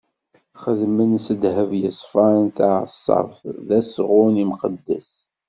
Xedmen s ddheb yeṣfan taɛeṣṣabt: D asɣun imqeddes.